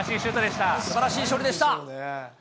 すばらしい勝利でした。